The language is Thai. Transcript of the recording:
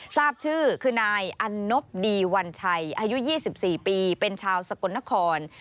ทราบชื่อคือนายอันนบดีวันชัยอายุ๒๔ปีเป็นชาวสกลนคร